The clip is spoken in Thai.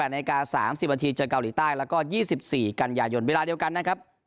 นาที๓๐นาทีเจอเกาหลีใต้แล้วก็๒๔กันยายนเวลาเดียวกันนะครับ